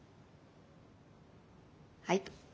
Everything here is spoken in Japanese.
はい。